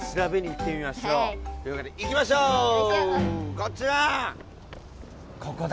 こっちだ！